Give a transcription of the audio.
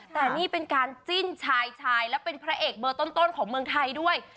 แต่นี่เป็นการจิ้นชายชายและเป็นพระเอกเบอร์ต้นของเมืองไทยด้วย